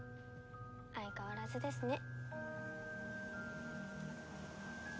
相変わらずですね。